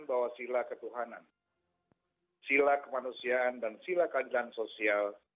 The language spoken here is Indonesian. bahwa sila ketuhanan sila kemanusiaan dan sila keadilan sosial